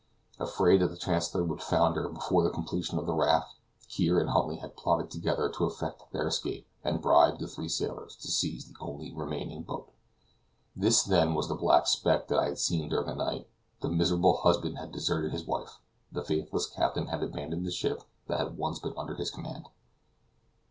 Afraid that the Chancellor would founder before the completion of the raft, Kear and Huntly had plotted together to effect their escape, and had bribed the three sailors to seize the only remaining boat. This, then, was the black speck that I had seen during the night. The miserable husband had deserted his wife, the faithless captain had abandoned the ship that had once been under his command.